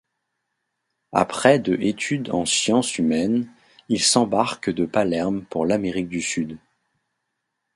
Après de études en sciences humaines, il s'embarque de Palerme pour l'Amérique du Sud.